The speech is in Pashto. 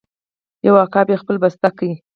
یو عقاب یې خپلې بسته کې